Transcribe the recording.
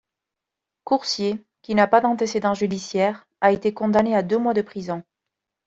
Coursier, qui n'a pas d'antécédents judiciaires, a été condamné à deux mois de prison.